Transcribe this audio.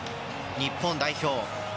日本代表。